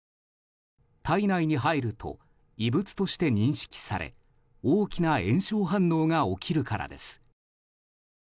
体内に入ると異物として認識され大きな炎症反応が起きるからです。